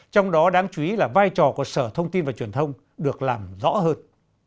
trong đó đáng chú ý là vai trò của sở thông tin và truyền thông được làm rõ hơn